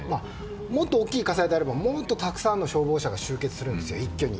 もっと大きい火災ならもっとたくさんの消防車が集結するんですよ、一挙に。